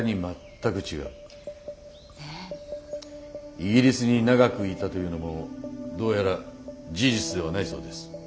イギリスに長くいたというのもどうやら事実ではないそうです。